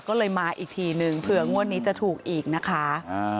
ก็เลยมาอีกทีนึงเผื่องวดนี้จะถูกอีกนะคะ